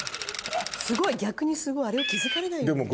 すごい逆にすごいあれを気付かれないように。